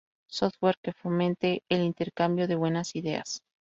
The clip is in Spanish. software que fomente el intercambio de buenas ideas